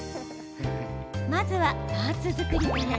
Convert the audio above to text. まずはパーツ作りから。